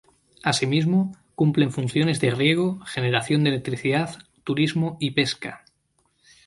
Asimismo, cumplen funciones de riego, generación de electricidad, turismo y pesca.